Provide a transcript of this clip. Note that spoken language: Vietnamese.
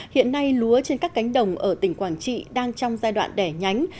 hiện nay lúa trên các cánh đồng ở tỉnh quảng trị đang trong giai đoạn đẻ nhánh